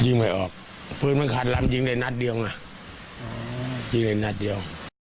ยิงไม่ออกพื้นมันขาดรำยิงในนัดเดียวน่ะยิงในนัดเดียว